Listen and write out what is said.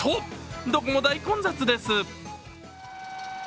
どこも大混雑です。